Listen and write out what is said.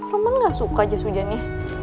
roman ga suka jasudiannya